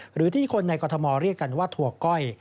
หรือที่คนในกรทมเรียกกันว่าถั่วก้อย